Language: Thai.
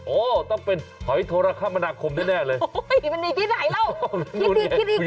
โอ้ยต้องเป็นหอยโทรคมนากคมแน่เลย